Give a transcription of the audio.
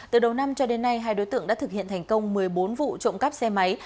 từ đầu năm cho đến nay hai đối tượng đã thực hiện thành công một mươi bốn vụ trộm cắp xe máy